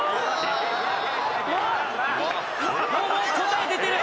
もうもう答え出てる！